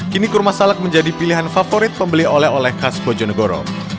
kini kurma salak menjadi pilihan favorit pembeli oleh oleh khas bojonegoro